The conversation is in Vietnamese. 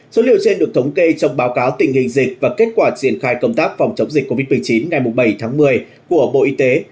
số liệu trên được thống kê trong báo cáo tình hình dịch và kết quả triển khai công tác phòng chống dịch covid một mươi chín ngày bảy tháng một mươi của bộ y tế